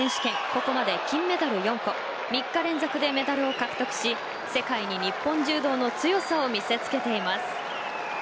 ここまで金メダル４個３日連続でメダルを獲得し世界に日本柔道の強さを見せ付けています。